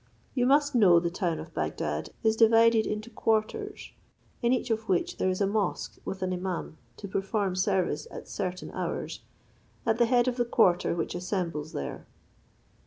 You must know the town of Bagdad is divided into quarters, in each of which there is a mosque with an imaum to perform service at certain hours, at the head of the quarter which assembles there.